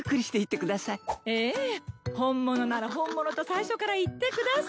ええ本物なら本物と最初から言ってくだされば。